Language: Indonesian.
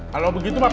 kalau begitu mami